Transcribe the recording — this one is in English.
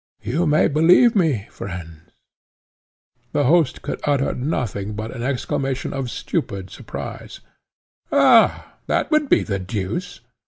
You may believe me, friends." The host could utter nothing but an exclamation of stupid surprise "Eh! that would be the deuce!"